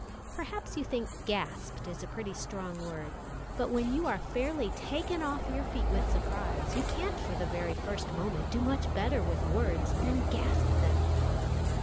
Perhaps you think gasped is a pretty strong word; but when you are fairly taken off your feet with surprise, you can't for the very first moment do much better with words than gasp them.